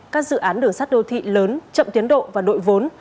các dự án đường sắt đô thị lớn chậm tiến độ và đội vốn